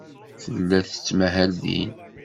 Tella tettmahal din.